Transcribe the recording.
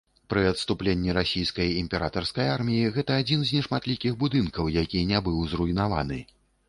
Пры адступленні расійскай імператарскай арміі гэта адзін з нешматлікіх будынкаў, які не быў зруйнаваны.